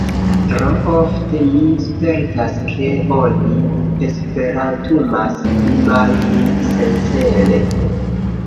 Tro ofte, mi spertas ke oni esperantumas pli-malpli sencele.